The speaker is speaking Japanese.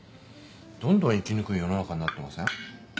どんどん生きにくい世の中になってません？